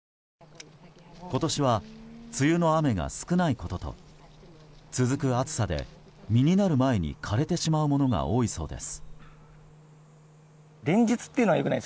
今年は梅雨の雨が少ないことと続く暑さで実になる前に枯れてしまうものが多いそうです。